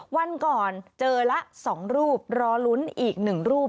วันก่อนเจอละสองรูปรอลุ้นอีกหนึ่งรูป